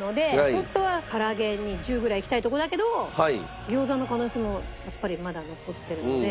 ホントはから揚げに１０ぐらいいきたいとこだけど餃子の可能性もやっぱりまだ残ってるので。